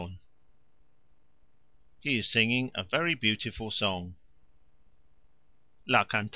He is singing a very beautiful song.